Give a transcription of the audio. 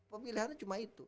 pemilihannya cuma itu